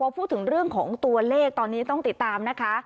พูดถึงเรื่องของตัวเลขตอนนี้ต้องติดตามนะคะ